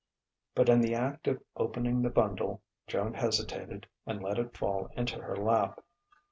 But in the act of opening the bundle, Joan hesitated and let it fall into her lap.